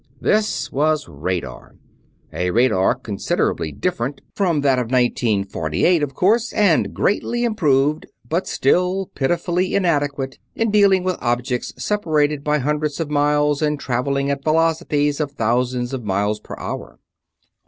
This was radar. A radar considerably different from that of 1948, of course, and greatly improved, but still pitifully inadequate in dealing with objects separated by hundreds of miles and traveling at velocities of thousands of miles per hour!